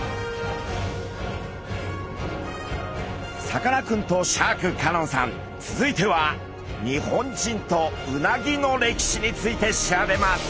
さかなクンとシャーク香音さん続いては日本人とうなぎの歴史について調べます。